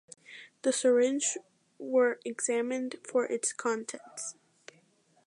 The syringe were examined for its contents.